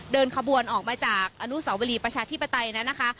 เดินขบวนออกมาจากอนุสาวรีประชาธิปไตยนั้นนะคะ